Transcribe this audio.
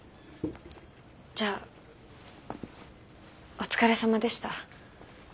じゃあお疲れさまでした。